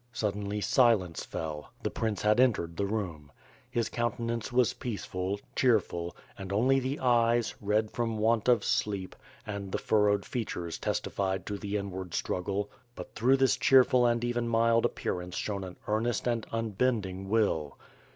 Suddenly silence fell; the prince had entered the room. His countenance was peaceful, cheerful, and only the eyes, red from want of sleep, and the furrowed features testi fied to the inward struggle, but through this cheerful and even mild appearance shone an earnest and unbending will.